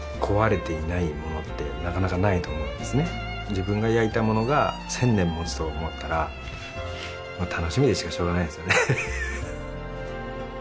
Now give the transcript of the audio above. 自分が焼いたものが１０００年もつと思ったらまあ楽しみでしょうがないですよね